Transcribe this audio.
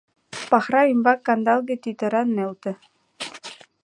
Пахра ӱмбак кандалге тӱтыра нӧлтӧ.